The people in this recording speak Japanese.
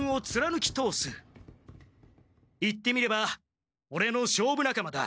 言ってみればオレの勝負なかまだ。